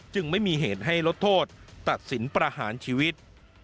ไม่มีเหตุให้ลดโทษตัดสินประหารชีวิต